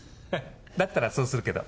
だったらそうするけど。